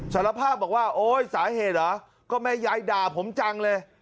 สารภาพบอกว่าโอ๊ยสาเหตุเหรอก็แม่ยายด่าผมจังเลย